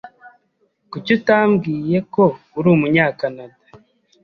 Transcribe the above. Kuki utambwiye ko uri Umunyakanada?